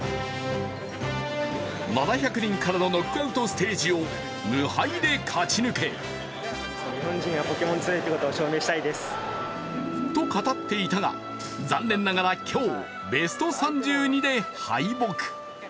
７００人からのノックアウトステージを無敗で勝ち抜けと語っていたが、残念ながら今日、ベスト３２で敗北。